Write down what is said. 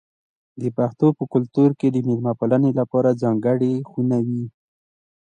د پښتنو په کلتور کې د میلمه پالنې لپاره ځانګړې خونه وي.